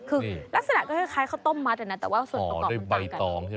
คือลักษณะก็คล้ายเขาต้มมาแต่นั้นแต่ว่าส่วนประกอบมันต่างกัน